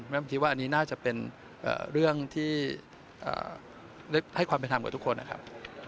ผมคิดว่าอันนี้น่าจะเป็นเรื่องที่ให้ความเป็นธรรมกับทุกคนนะครับ